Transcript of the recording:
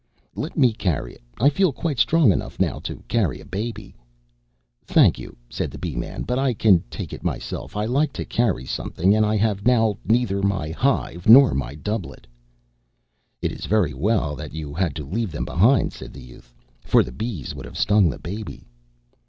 "Let me carry it. I feel quite strong enough now to carry a baby." "Thank you," said the Bee man, "but I can take it myself. I like to carry something, and I have now neither my hive nor my doublet." "It is very well that you had to leave them behind," said the Youth, "for the bees would have stung the baby."